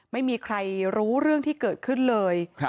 ไม่มีใครรู้เรื่องที่เกิดขึ้นเลย